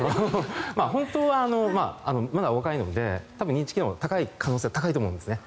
本当はまだお若いので認知機能が高い可能性が高いと思うんですね。